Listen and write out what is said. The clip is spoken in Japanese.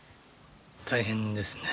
大変ですね。